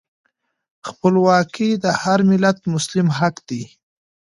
خپلواکي د هر ملت مسلم حق دی.